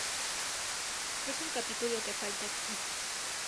Es un capítulo que falta aquí.